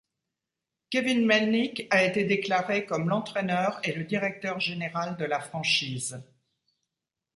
Kevin Melnyk a été déclaré comme l'Entraîneur et le Directeur Général de la franchise.